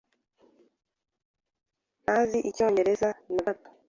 Ntazi Icyongereza na gato.